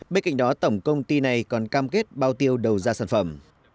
bên cạnh đó tổng công ty này còn cam kết bao tiêu đầu ra sản phẩm